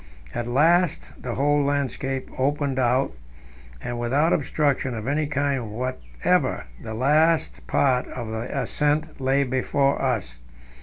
At last the whole landscape opened out, and without obstruction of any kind whatever the last part of the ascent lay before us.